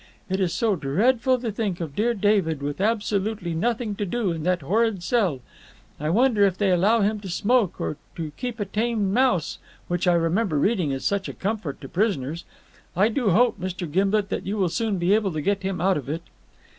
It is so dreadful to think of dear David with absolutely nothing to do in that horrid cell. I wonder if they allow him to smoke, or to keep a tame mouse, which I remember reading is such a comfort to prisoners. I do hope, Mr. Gimblet, that you will soon be able to get him out of it."